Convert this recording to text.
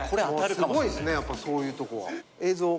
すごいっすねやっぱそういうとこは。